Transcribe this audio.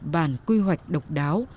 bản quy hoạch độc đáo